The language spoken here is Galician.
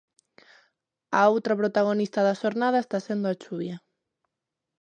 A outra protagonista da xornada está sendo a chuvia.